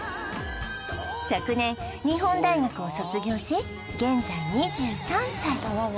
昨年日本大学を卒業し現在２３歳